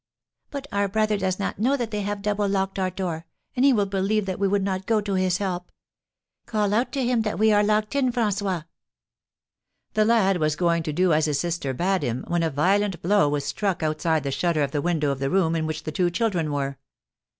"But our brother does not know that they have double locked our door, and he will believe that we would not go to his help. Call out to him that we are locked in, François." The lad was just going to do as his sister bade him, when a violent blow was struck outside the shutter of the window of the room in which the two children were.